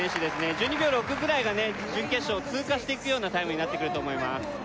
１２秒６ぐらいが準決勝を通過していくようなタイムになってくると思います